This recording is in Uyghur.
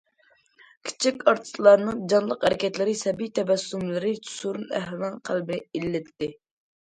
كىچىك ئارتىسلارنىڭ جانلىق ھەرىكەتلىرى، سەبىي تەبەسسۇملىرى سورۇن ئەھلىنىڭ قەلبىنى ئىللىتتى.